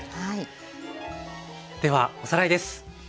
ではおさらいです。